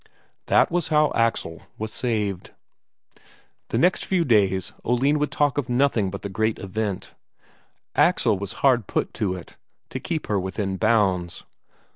That was how Axel was saved.... The next few days Oline would talk of nothing but the great event; Axel was hard put to it to keep her within bounds.